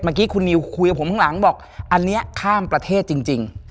เมื่อกี้คุณนิวคุยกับผมข้างหลังบอกอันนี้ข้ามประเทศจริง